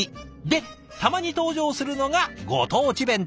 でたまに登場するのがご当地弁当。